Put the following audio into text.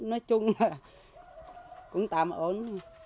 nói chung là cũng tạm ổn